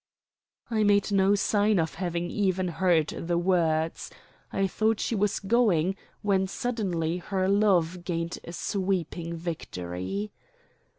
I made no sign of having even heard the words. I thought she was going, when suddenly her love gained a sweeping victory.